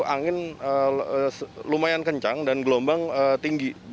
angin lumayan kencang dan gelombang tinggi